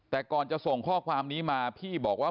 แต่ก่อนจะส่งข้อความนี้มาพี่บอกว่า